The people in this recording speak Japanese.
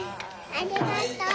ありがとう。